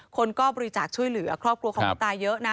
คนก็บริจาคช่วยเหลือครอบครัวของคุณตาเยอะนะ